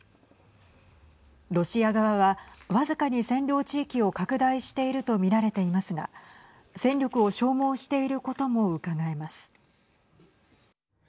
ロシア側は僅かに占領地域を拡大していると見られていますが戦力を消耗していることもうかがえます。